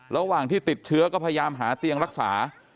ระหว่างที่ติดเชื้อก็พยายามหาเตียงรักษา